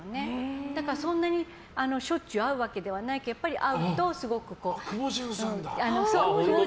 だからそんなにしょっちゅう会うわけではないけどクボジュンさんだ。